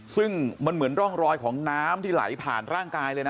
ซึ่งมันเหมือนร่องรอยของน้ำที่ไหลผ่านร่างกายเลยนะ